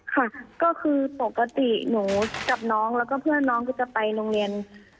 ค่ะก็คือปกติหนูกับน้องแล้วก็เพื่อนน้องก็จะไปโรงเรียน